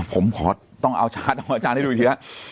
ผมขอต้องเอาชาร์จของอาจารย์ให้ดูอีกทีฮะ